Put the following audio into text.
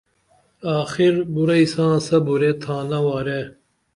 اخر بُرعئی ساں صبُرے تھانہ وارے